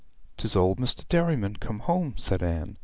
''Tis old Mr. Derriman come home!' said Anne.